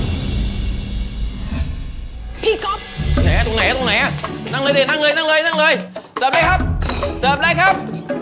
เสิร์ฟเลยครับเสิร์ฟเลยครับ